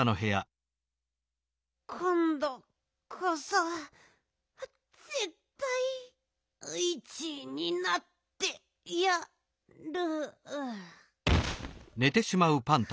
こんどこそぜったい１いになってやる。